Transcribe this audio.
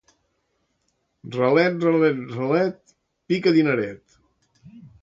Ralet, ralet, ralet... pica dineret!